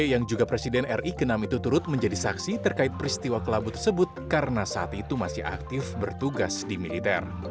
yang juga presiden ri ke enam itu turut menjadi saksi terkait peristiwa kelabu tersebut karena saat itu masih aktif bertugas di militer